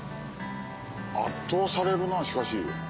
圧倒されるなしかし。